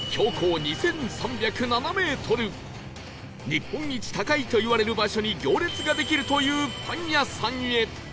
日本一高いといわれる場所に行列ができるというパン屋さんへ